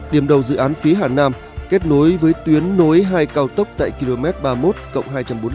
điểm đầu dự án phía hà nam kết nối với tuyến nối hai cao tốc tại km ba mươi một cộng hai trăm bốn mươi năm